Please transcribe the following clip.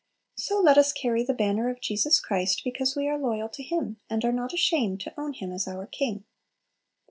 So let us carry the banner of Jesus Christ because we are loyal to Him, and are not ashamed to own Him as our King.